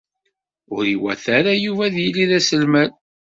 Ur iwata ara Yuba ad yili d aselmad.